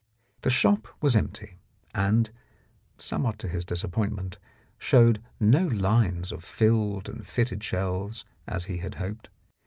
The shop was empty, and, somewhat to his dis appointment, showed no lines of filled and fitted shelves, as he had hoped.